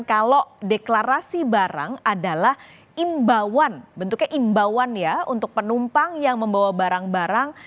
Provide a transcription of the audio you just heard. kalau deklarasi barang adalah imbauan bentuknya imbauan ya untuk penumpang yang membawa barang barang